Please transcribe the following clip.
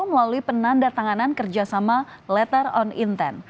melalui penanda tanganan kerjasama letter on intent